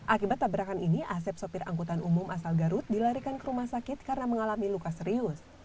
akibat tabrakan ini asep sopir angkutan umum asal garut dilarikan ke rumah sakit karena mengalami luka serius